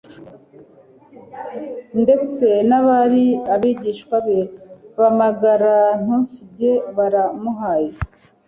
Ndetse n'abari abigishwa be magara-ntunsige baramuhanye